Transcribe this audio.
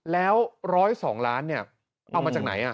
แล้ว๑๐๒ล้านเอามาจากไหน